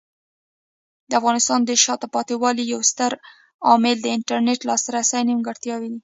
د افغانستان د شاته پاتې والي یو ستر عامل د انټرنیټ لاسرسي نیمګړتیاوې دي.